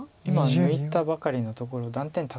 今抜いたばかりのところ断点